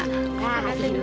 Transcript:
kita hati hati duluan